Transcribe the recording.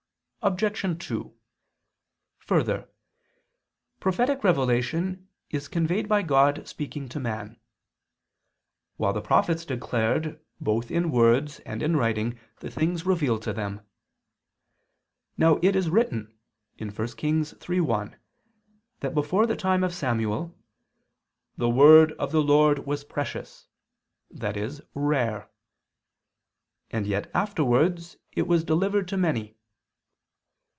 Obj. 2: Further, prophetic revelation is conveyed by God speaking to man; while the prophets declared both in words and in writing the things revealed to them. Now it is written (1 Kings 3:1) that before the time of Samuel "the word of the Lord was precious," i.e. rare; and yet afterwards it was delivered to many.